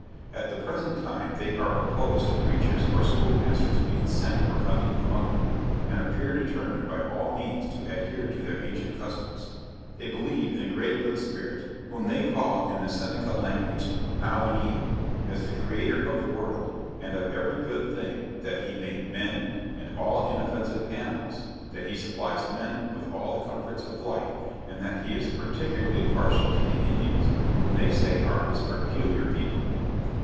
At the present time, they are opposed to preachers or schoolmasters being sent or coming among them; and appear determined by all means to adhere to their ancient customs. They believe in a Great Good Spirit, (whom they call in the Seneca language Nau wan e u,) as the Creator of the world, and of every good thing that he made men, and all inoffensive animals; that he supplies men with all the comforts of life; and that he is particularly partial to the Indians, whom they say are his peculiar people.